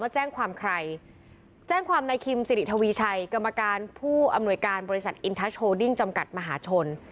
แจ้งความในคิมสิริธวีชัยกรรมการผู้อำนวยการบริษัทอินทรัสโชดิ้งจำกัดมหาชน